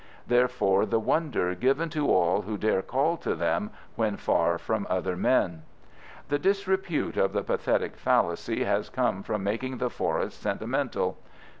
Therefore the wonder given to all who dare call to them when far from other men. The disrepute of the pathetic fallacy has come from making the forest sentimental.